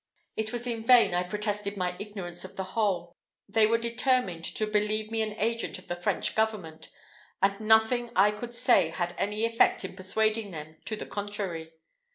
_'" It was in vain I protested my ignorance of the whole; they were determined to believe me an agent of the French government, and nothing I could say had any effect in persuading them to the contrary.